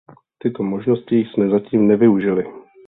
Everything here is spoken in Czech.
Tyto možnosti jsme zatím nevyužili.